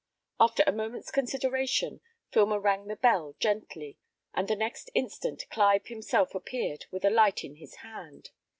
After a moment's consideration, Filmer rang the bell gently, and the next instant Clive himself appeared with a light in his hand.